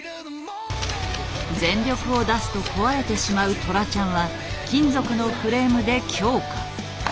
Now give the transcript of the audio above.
全力を出すと壊れてしまうトラちゃんは金属のフレームで強化。